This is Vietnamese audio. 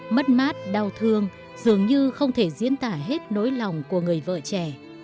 mất mát đau thương dường như không thể diễn tả hết nỗi lòng của người vợ trẻ